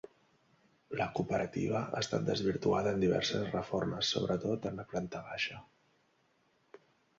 La cooperativa ha estat desvirtuada en diverses reformes sobretot en la planta baixa.